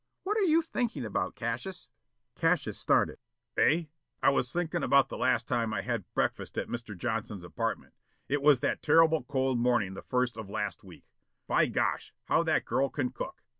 "What are you thinking about, Cassius?" Cassius started. "... Eh? I was thinkin' about the last time I had breakfast at Mr. Johnson's apartment. It was that terrible cold morning the first of last week. By gosh, how that girl can cook!